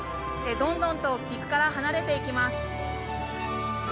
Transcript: どんどんと陸から離れていきます。